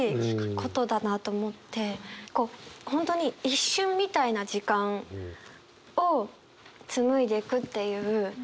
こう本当に一瞬みたいな時間を紡いでくっていう。